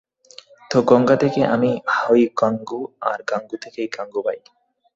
তো গঙা থেকে আমি হই গাঙু, আর গাঙু থেকে গাঙুবাই।